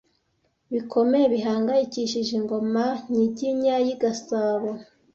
bikomeye bihangayikishije Ingoma –Nyiginya y’i Gasabo